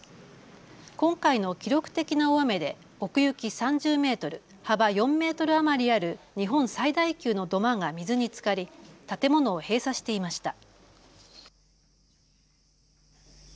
今回の記録的な大雨で奥行き３０メートル、幅４メートル余りある日本最大級の土間が水につかり建物を閉鎖していました。